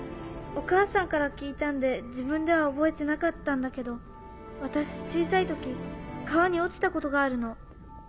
お母さんから聞いたんで自分では覚えてなかったんだけど私小さい時川に落ちたことがあるの。